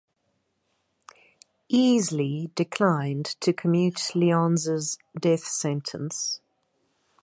Easley declined to commute Lyons' death sentence.